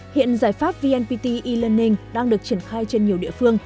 hiện giải pháp vnpt e learning đang được triển khai trên nhiều địa phương